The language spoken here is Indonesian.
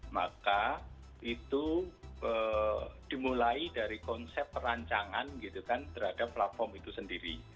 maka itu dimulai dari konsep perancangan gitu kan terhadap platform itu sendiri